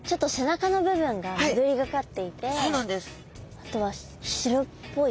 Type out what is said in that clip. あとは白っぽい。